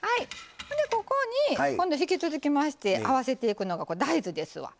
ここに今度引き続きまして合わせていくのが大豆ですわ。